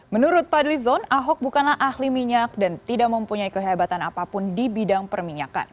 menurut fadlizon ahok bukanlah ahli minyak dan tidak mempunyai kehebatan apapun di bidang perminyakan